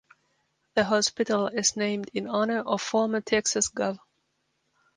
The hospital is named in honor of former Texas Gov.